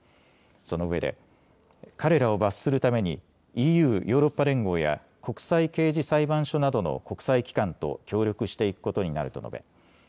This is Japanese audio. そのうえで彼らを罰するためにＥＵ・ヨーロッパ連合や国際刑事裁判所などの国際機関と協力していくことになると述べ